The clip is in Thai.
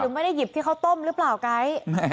ไม่ได้หยิบที่เขาต้มหรือเปล่าไก๊